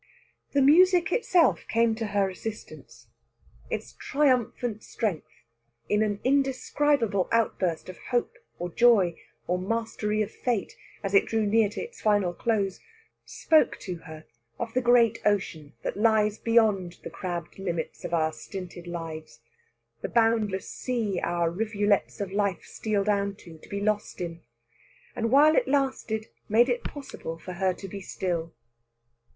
The music itself came to her assistance. Its triumphant strength, in an indescribable outburst of hope or joy or mastery of Fate, as it drew near to its final close, spoke to her of the great ocean that lies beyond the crabbed limits of our stinted lives, the boundless sea our rivulets of life steal down to, to be lost in; and while it lasted made it possible for her to be still.